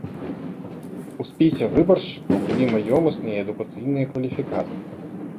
У спісе выбаршчыкаў былі маёмасныя і адукацыйныя кваліфікацыі.